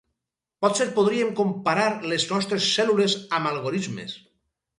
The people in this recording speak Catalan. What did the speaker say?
Potser podríem comparar les nostres cèl·lules amb algorismes.